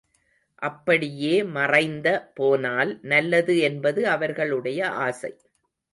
அப்படியே மறைந்த போனால் நல்லது என்பது அவர்களுடைய ஆசை.